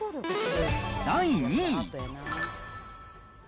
第２位。